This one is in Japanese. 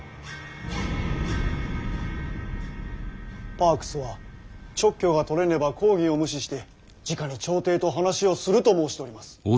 パークスは勅許が取れねば公儀を無視してじかに朝廷と話をすると申しております。